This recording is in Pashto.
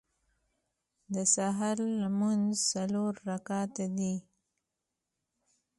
د سهار لمونځ څلور رکعته دی.